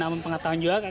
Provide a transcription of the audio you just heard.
ya ada pengetahuan juga